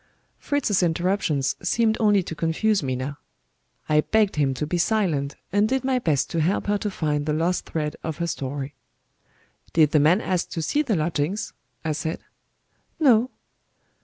Fritz's interruptions seemed only to confuse Minna. I begged him to be silent, and did my best to help her to find the lost thread of her story. "Did the man ask to see the lodgings?" I said. "No."